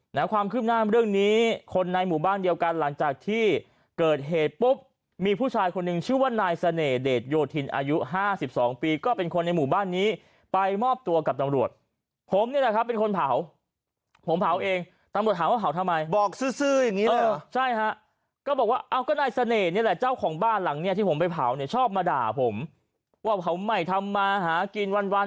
หรือข้ามขึ้นหน้าเรื่องนี้คนในหมู่บ้านเดียวกันหลังจากที่เกิดเหตุปุ๊บมีผู้ชายคนหนึ่งชื่อว่านายเสน่ห์เดชโยธินอายุ๕๒ปีก็เป็นคนในหมู่บ้านนี้ไปมอบตัวกับตำรวจผมเนี่ยนะครับเป็นคนเผาผมเผาเองตำรวจหาว่าทำไม